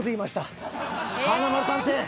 華丸探偵。